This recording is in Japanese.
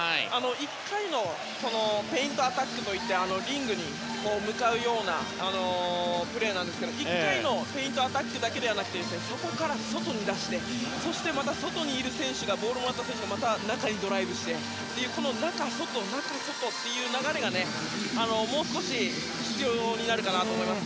ペイントアタックといってリングに向かうようなプレーなんですが１回のペイントアタックだけではなくてそこから外に出してそしてまた外にいる選手ボールをもらった選手が中にドライブしてという中、外、中、外という流れがもう少し必要になるかなと思います。